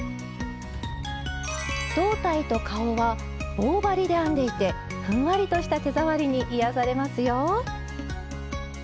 胴体と顔は棒針で編んでいてふんわりとした手触りに癒やされますよ。